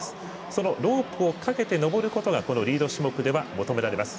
そのロープを掛けて登ることがリード種目が求められます。